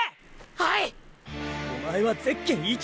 はい！！